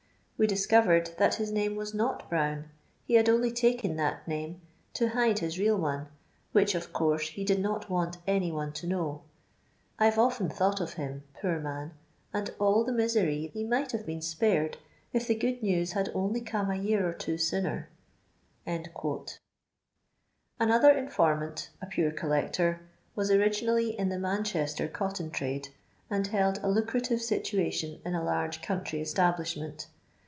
We discovered that his name was not Brown ; he had only taken that name to hide his real one, which, of codne, he did not want any one to know. I 've often thought of him, poor m:in, and all the misery he might have been spared, if the good news had "Illy come a year or two sooner." Another infrttmunt, a Pure collector, was ori ginally in the Manchester cotton trade, and hold a lucrative situation in a large country establish ment.